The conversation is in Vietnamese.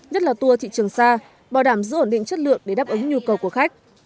nhất là tour thị trường xa bảo đảm giữ ổn định chất lượng để đáp ứng nhu cầu của khách